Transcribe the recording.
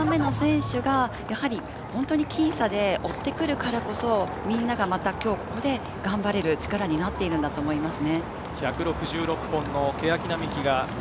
７番目の選手がやはり僅差で追ってくるからこそ、みんながまた今日ここで頑張れる、力になっているんだと思います。